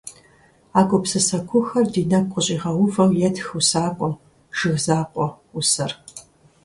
А гупсысэ куухэр ди нэгу къыщӀигъэувэу етх усакӀуэм, «Жыг закъуэ» усэр.